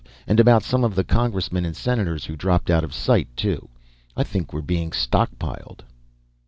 And about some of the Congressmen and Senators who dropped out of sight, too. I think we're being stockpiled."